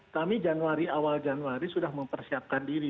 kami januari awal januari sudah mempersiapkan diri